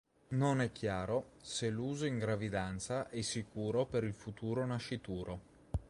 Non è chiaro se l'uso in gravidanza è sicuro per il futuro nascituro.